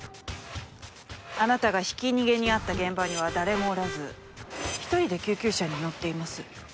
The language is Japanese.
あなたがひき逃げにあった現場には誰もおらず１人で救急車に乗っています。